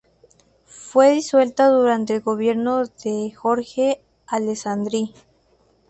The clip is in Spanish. Fue disuelta durante el gobierno de Jorge Alessandri.